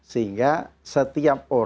sehingga setelah itu kita bisa memilih